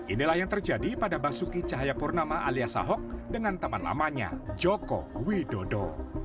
inilah yang terjadi pada basuki cahayapurnama alias ahok dengan teman lamanya joko widodo